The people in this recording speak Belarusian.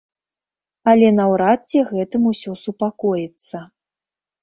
Але наўрад ці на гэтым усё супакоіцца.